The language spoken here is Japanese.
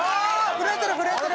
震えてる震えてる。